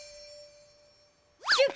シュッ！